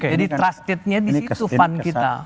jadi trusted nya di situ fund kita